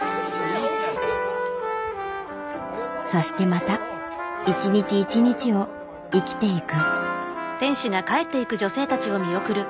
そしてまた一日一日を生きていく。